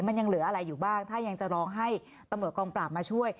มันยังเหลืออะไรอยู่บ้างถ้ายังจะร้องให้ตำรวจกองปราบมาช่วย